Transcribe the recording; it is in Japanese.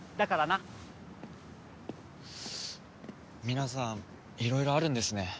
皆さんいろいろあるんですね。